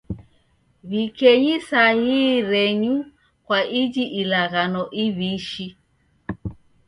W'ikenyi sahii renyu kwa iji ilaghano iw'ishi